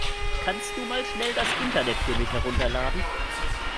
Kannst du mal schnell das Internet für mich herunterladen?